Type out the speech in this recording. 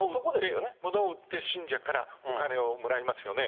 物を売って、信者からお金をもらいますよね。